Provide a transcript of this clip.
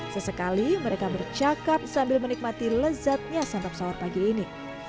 sesekali mereka bercakap sambil menikmati lezatnya santap sahur pagi ini